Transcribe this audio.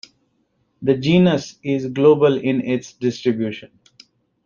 The genus is global in its distribution.